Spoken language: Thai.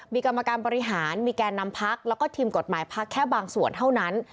มีกรรมการบริหารมีแก่นำพักแล้วก็ทีมกฎหมายพักแค่บางส่วนเท่านั้น